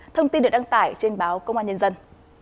thông tin được đăng tải trên báo công an nhân dân